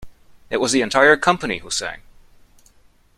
It was the entire company who sang.